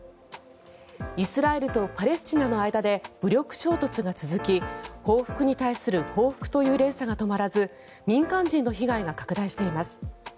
イスラエルとパレスチナの間で武力衝突が続き報復に対する報復という連鎖が止まらず民間人の被害が拡大しています。